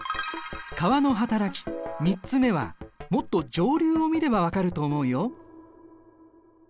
川のはたらき３つ目はもっと上流を見れば分かると思うよ。